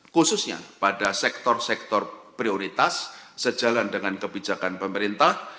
khususnya pada sektor sektor prioritas sejalan dengan kebijakan pemerintah